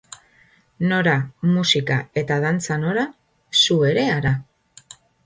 Nora, musika eta dantza nora, zu ere hara.